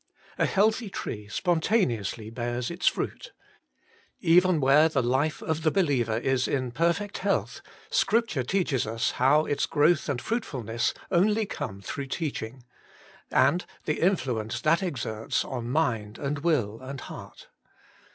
A healthy tree spontaneously bears its fruit. Even where the life of the believer is in perfect health, Scripture teaches us how its growth and fruitfulness only come through teaching, and the influence that exerts on mind and will and heart.